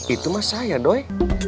itu mah saya doi